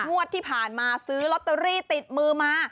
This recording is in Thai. งวดที่ผ่านมาซื้อลอตเตอรี่ติดมือมา